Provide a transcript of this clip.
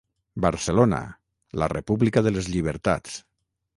Barcelona: La república de les llibertats.